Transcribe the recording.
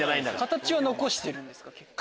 形は残してるんですか？